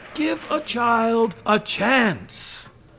Give a child a chance.